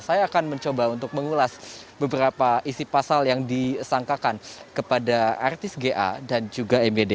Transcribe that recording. saya akan mencoba untuk mengulas beberapa isi pasal yang disangkakan kepada artis ga dan juga myd